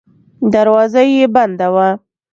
دروازه یې بنده وه.